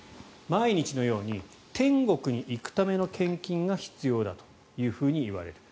毎日のように天国に行くための献金が必要だと言われていた。